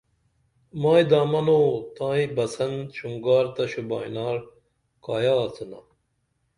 مائی دامنو تائی بسن شُونگار تہ شوبائنار کایہ آڅِنا